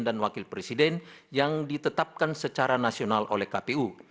dan wakil presiden yang ditetapkan secara nasional oleh kpu